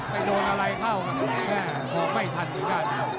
ไม่โดนอะไรเข้ากันไม่ทันทีกัน